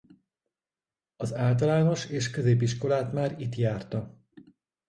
Az általános- és középiskolát már itt járta.